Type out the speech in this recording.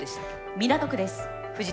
港区です。